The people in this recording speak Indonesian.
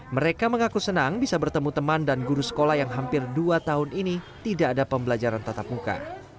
mereka mengaku senang bisa bertemu teman dan guru sekolah yang hampir dua tahun ini tidak ada pembelajaran tatap muka